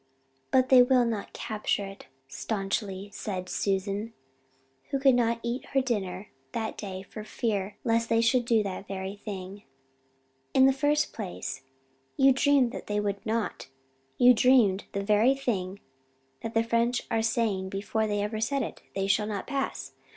"But they will not capture it," staunchly said Susan, who could not eat her dinner that day for fear lest they do that very thing. "In the first place, you dreamed they would not you dreamed the very thing the French are saying before they ever said it 'they shall not pass.'